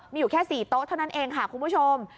มีอยู่แค่๔โต๊ะเท่านั้นเองค่ะคุณผู้ชม